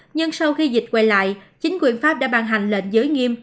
nhưng sau khi dịch quay lại chính quyền pháp đã ban hành lệnh giới nghiêm